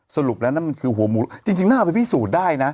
สรุปแล้วนั่นมันคือหัวหมูจริงน่าเอาไปพิสูจน์ได้นะ